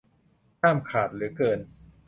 ห้ามขาดหรือเกิน